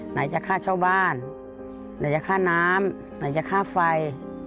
ไหนจะค่าเช่าบ้านไหนจะค่าน้ำไหนจะค่าไฟ